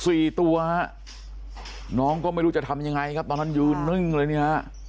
สี่ตัวน้องก็ไม่รู้จะทำใหญ่ไงครับตอนนั้นยืนเลยเงี้ย